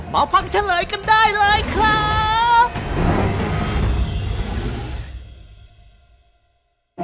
มาฟังเฉลยกันได้เลยครับ